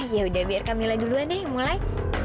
yaudah biar kak mila duluan deh mulai